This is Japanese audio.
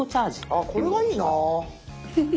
あっこれがいいな。